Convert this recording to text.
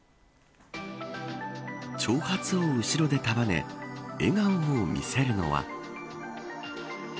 長髪を後ろで束ね笑顔を見せるのは。